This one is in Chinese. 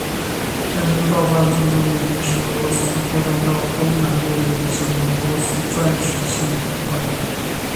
战争爆发的最终原因是俄罗斯扩张到东南部的野心和波斯的暂时性混乱。